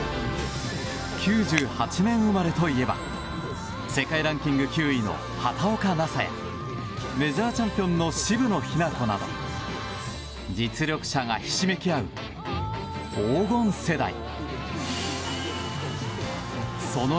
９８年生まれといえば世界ランキング９位の畑岡奈紗やメジャーチャンピオンの渋野日向子など実力者がひしめき合う黄金世代。